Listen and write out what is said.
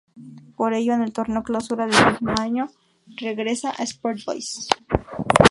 Por ello, en el Torneo Clausura del mismo año regresa a Sport Boys.